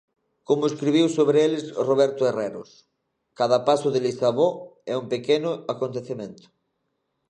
Como escribiu sobre eles Roberto Herreros: Cada paso de Lisabó é un pequeno acontecemento.